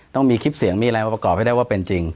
ต้องมีคลิปเสียงมีอะไรมาประกอบให้ได้ว่าเป็นจริง